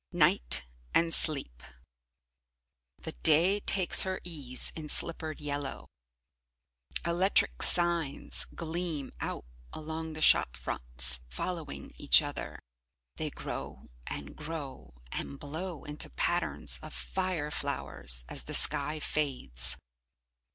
Night and Sleep The day takes her ease in slippered yellow. Electric signs gleam out along the shop fronts, following each other. They grow, and grow, and blow into patterns of fire flowers as the sky fades.